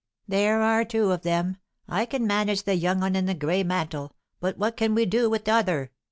"There are two of 'em. I can manage the young 'un in the gray mantle, but what can we do with t'other?